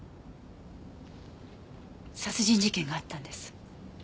殺人事件があったんです。